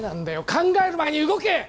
考える前に動け！